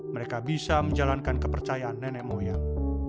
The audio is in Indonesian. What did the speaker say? mereka bisa menjalankan kepercayaan nenek moyang